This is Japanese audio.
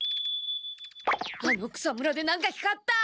あの草むらで何か光った！